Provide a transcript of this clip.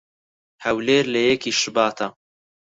"هەولێر لە یەکی شوباتا"